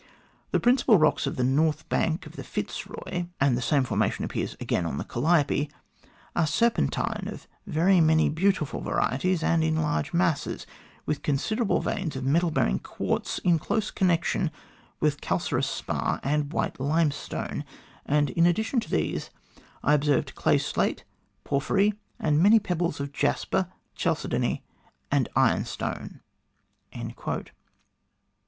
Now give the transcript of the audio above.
The principal rocks on the north bank of the Fitzroy and the same formation appears again on the Calliope are serpentine of very many beautiful varieties and in large masses, with considerable veins of metal bearing quartz in close connection with calcareous spar and white limestone, and in addition to these, I observed clay slate, porphyry, and many pebbles of jasper, chalcedony, and ironstone."